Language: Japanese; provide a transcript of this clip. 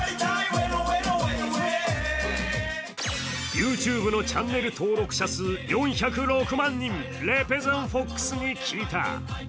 ＹｏｕＴｕｂｅのチャンネル登録者数４０６万人、ＲｅｐｅｚｅｎＦｏｘｘに聞いた。